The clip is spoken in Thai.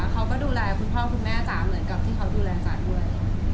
เขาก็ดูแลคุณพ่อคุณแม่จ๋าเหมือนกับที่เขาดูแลจ๋าด้วย